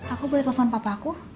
aku boleh telepon papa aku